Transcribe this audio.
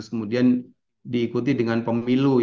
kemudian diikuti dengan pemilu